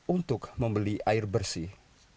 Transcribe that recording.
untuk membeli air bersih